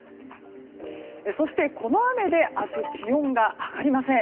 そして、この雨で明日気温が上がりません。